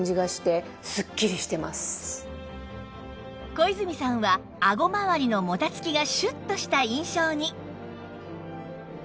小泉さんはあごまわりのもたつきがシュッとした印象に